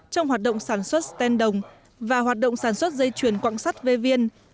trong hoạt động sản xuất stand đồng và hoạt động sản xuất dây chuyền quặng sắt vê viên